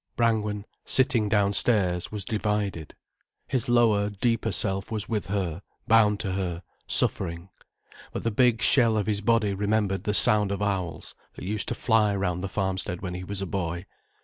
Brangwen, sitting downstairs, was divided. His lower, deeper self was with her, bound to her, suffering. But the big shell of his body remembered the sound of owls that used to fly round the farmstead when he was a boy.